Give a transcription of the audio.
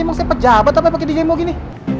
emang siapa jabat apa yang pake demo gini